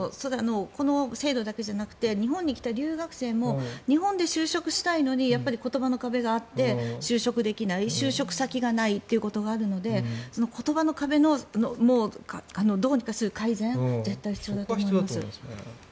この制度だけじゃなくて日本に来た留学生も日本で就職したいのに言葉の壁があって就職できない就職先がないという言葉の壁をどうにかする改善絶対必要だと思います。